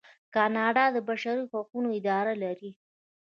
کاناډا د بشري حقونو اداره لري.